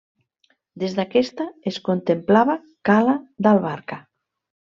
Des d'aquesta es contemplava Cala d'Albarca.